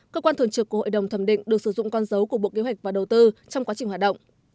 cơ quan thường trực của hội đồng thẩm định được sử dụng con dấu của bộ kế hoạch và đầu tư trong quá trình hoạt động